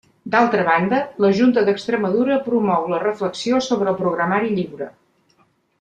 D'altra banda, la Junta d'Extremadura promou la reflexió sobre el programari lliure.